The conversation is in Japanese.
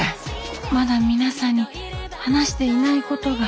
まだ皆さんに話していないことが。